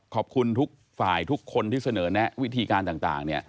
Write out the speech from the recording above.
ขอบคุณทุกฝ่ายทุกคนที่เสนอแนะวิธีการต่าง